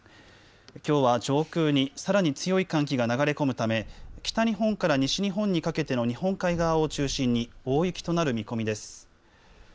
きょうは上空にさらに強い寒気が流れ込むため北日本から西日本にかけての日本海側を中心に大雪となる見込みです。